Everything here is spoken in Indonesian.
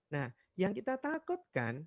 nah yang kita takutkan